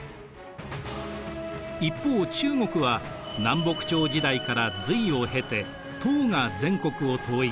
一方中国は南北朝時代から隋を経て唐が全国を統一。